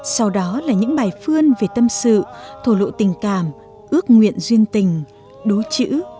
sau đó là những bài phương về tâm sự thổ lộ tình cảm ước nguyện duyên tình đối chữ